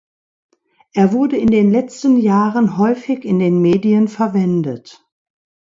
Er wurde in den letzten Jahren häufig in den Medien verwendet.